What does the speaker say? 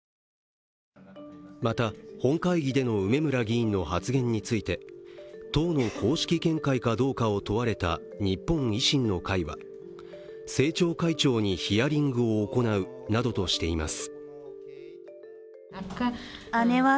また、本会議での梅村議員の発言について党の公式見解かどうかを問われた日本維新の会は政調会長にヒアリングを行うなどとしています